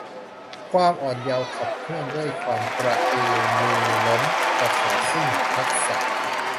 ความอ่อนเยาว์ขับเคลื่อนด้วยความกระตือรือร้น แต่ขาดซึ่งทักษะ